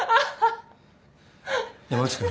山内君。